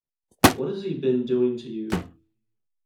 What has he been doing to you?